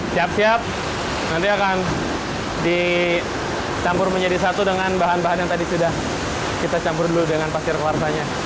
siap siap nanti akan dicampur menjadi satu dengan bahan bahan yang tadi sudah kita campur dulu dengan pasir kuarsanya